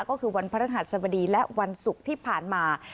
ก็คือวันพระรหัสสบดีและวันศุกร์ที่ผ่านมา